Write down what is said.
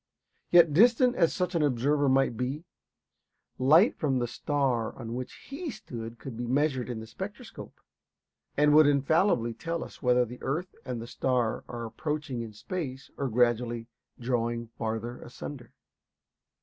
Yet distant as such an observer might be, light from the star on which he stood could be measured in the spectroscope, and would infallibly tell us whether the earth and star are approaching in space or gradually drawing farther asunder.